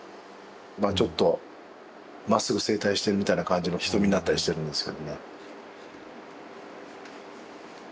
ちょっとまっすぐ正対してるみたいな感じの瞳になったりしてるんですけどね。